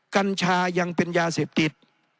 กัญชายังเป็นยาเสพติด